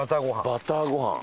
バターご飯？